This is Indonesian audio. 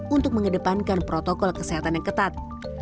untuk mengedepankan protokol kesehatan yang ketat